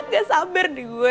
gak sabar deh gue